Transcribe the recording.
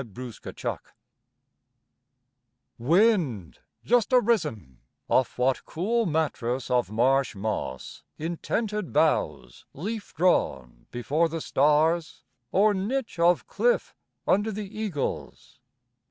DAWN WIND Wind, just arisen (Off what cool mattress of marsh moss In tented boughs leaf drawn before the stars, Or niche of cliff under the eagles?)